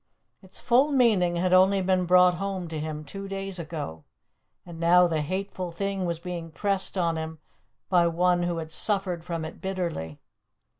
Its full meaning had only been brought home to him two days ago, and now the hateful thing was being pressed on him by one who had suffered from it bitterly.